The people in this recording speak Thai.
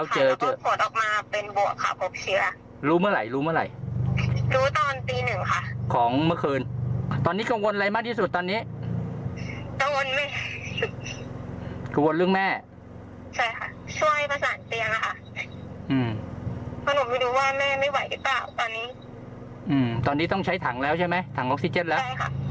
ช่วยประสานเตียงค่ะถ้าหนูไปดูว่าแม่ไม่ไหวรึเปล่าตอนนี้ตอนนี้ต้องใช้ถังแล้วใช่ไหมถังออกซิเจ็ตแล้ว